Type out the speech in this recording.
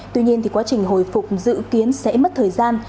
tuy nhiên quá trình hồi phục dự kiến sẽ mất thời gian